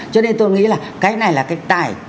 cho nên tôi nghĩ là cái này là cái tài